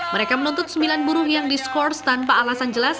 mereka menuntut sembilan buruh yang diskors tanpa alasan jelas